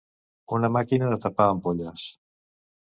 Una màquina de tapar ampolles.